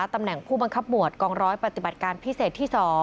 ตำแหน่งผู้บังคับหมวดกองร้อยปฏิบัติการพิเศษที่๒